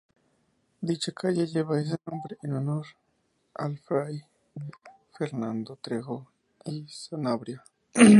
Dicha calle lleva ese nombre en honor al fray Fernando Trejo y Sanabria.